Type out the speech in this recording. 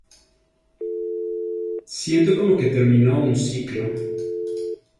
Siento como que terminó un ciclo.